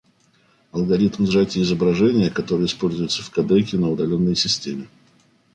Алгоритм сжатия изображения, который используется в кодеке на удаленной системе